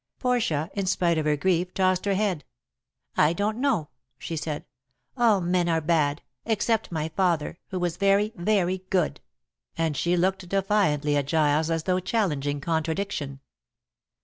Portia, in spite of her grief, tossed her head. "I don't know," she said; "all men are bad, except my father, who was very, very good," and she looked defiantly at Giles as though challenging contradiction.